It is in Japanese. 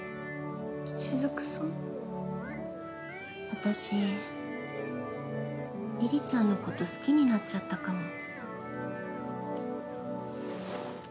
私梨々ちゃんのこと好きになっちゃったかも。